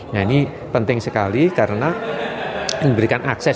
nah ini penting sekali karena memberikan akses